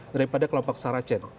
daripada kelompok saracen